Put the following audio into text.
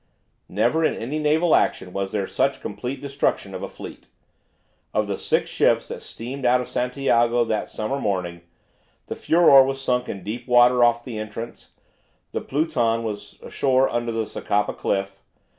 Never in any naval action was there such complete destruction of a fleet. Of the six ships that steamed out of Santiago that summer morning, the "Furor" was sunk in deep water off the entrance; the "Pluton" was ashore under the Socapa cliff.